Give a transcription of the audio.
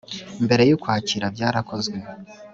mbere yUkwakira byarakozwe